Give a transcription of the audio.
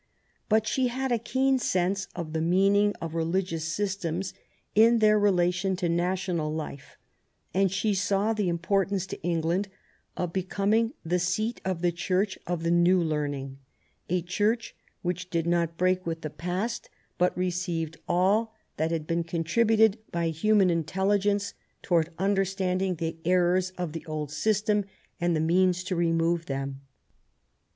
But she had a keen sense of the meaning of religious systems in their relation to national life, and she saw the importance to England of becoming the seat of the Church of the New Learning, a Church which did not break with the past, but received all that had been contributed by human intelligence towards understanding the errors of the old system, and the means to remove them.